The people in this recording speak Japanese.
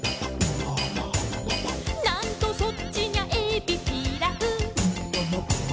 「なんとそっちにゃえびピラフ」